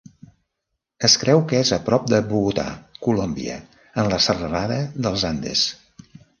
Es creu que és a prop de Bogotà, Colòmbia, en la Serralada dels Andes.